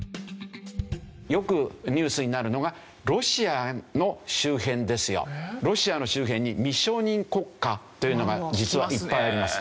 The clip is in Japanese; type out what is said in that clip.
よくニュースになるのがロシアの周辺に未承認国家というのが実はいっぱいあります。